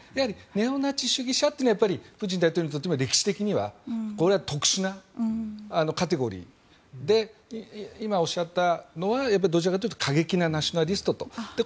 ネオナチ主義者というのはプーチン大統領にとっても歴史的には特殊なカテゴリーで今おっしゃったのはどちらかというと過激なナショナリストであると。